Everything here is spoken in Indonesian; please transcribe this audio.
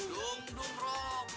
dung dung rog